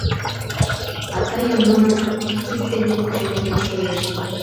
— А тыйын нуным кид дене кучылтмет шуэш!